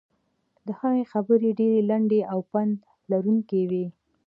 د هغه خبرې ډېرې لنډې او پند لرونکې وې.